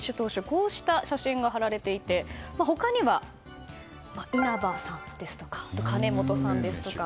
こうした写真が貼られていて他には稲葉さんですとか金本さんですとか